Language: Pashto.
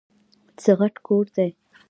څه غټ کور دی ؟!